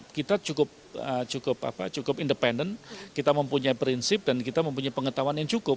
nah penggiringan opini itu kan tidak akan jalan gitu apabila kita cukup independen kita mempunyai prinsip dan kita mempunyai pengetahuan yang cukup